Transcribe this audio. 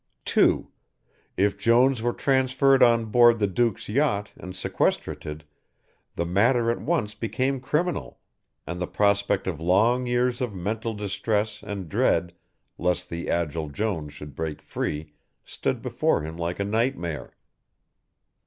2. If Jones were transferred on board the Duke's yacht and sequestrated, the matter at once became criminal, and the prospect of long years of mental distress and dread lest the agile Jones should break free stood before him like a nightmare.